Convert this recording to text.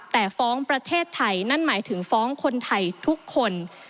แต่ฟ้องประเทศไทยนั่นหมายถึงฟ้องคนไทยทุกคน